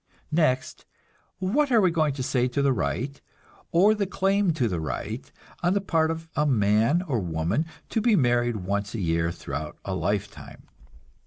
Next, what are we going to say to the right, or the claim to the right, on the part of a man or woman, to be married once a year throughout a lifetime?